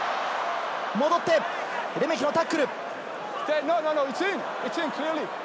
戻ってレメキのタックル。